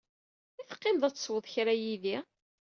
I teqqimed ad teswed kra yid-i?